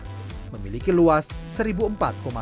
kabupaten jepara merupakan daerah paling ujung jawa tengah